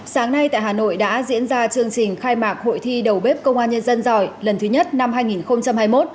sáng nay tại hà nội đã diễn ra chương trình khai mạc hội thi đầu bếp công an nhân dân giỏi lần thứ nhất năm hai nghìn hai mươi một